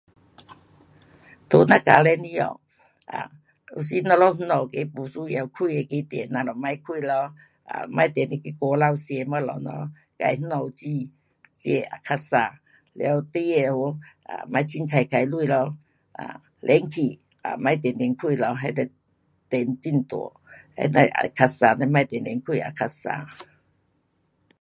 在咱家庭里下，啊，有时咱们家那个没需要开那个电，咱们别开咯。啊，别直直去外头吃东西咯，自那家煮吃也较省。完，孩儿学别随便花钱咯。啊，冷气别直直开咯，那就电很大。那样也较省。你别直直开也较省。